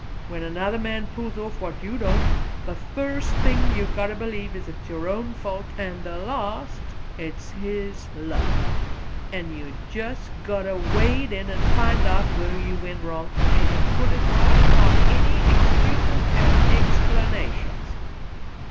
When another man pulls off what you don't, the first thing you got ter believe is it's your own fault; and the last, it's his luck. And you jus' got ter wade in an' find out whar you went wrong, an' put it right, 'thout any excuses an' explanations."